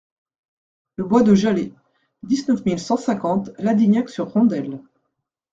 Le Bois de Jaleix, dix-neuf mille cent cinquante Ladignac-sur-Rondelles